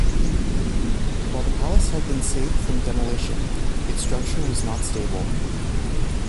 While the Palace had been saved from demolition, its structure was not stable.